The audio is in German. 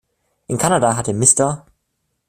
In Kanada hatte „Mr.